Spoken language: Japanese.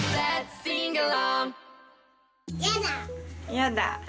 やだ。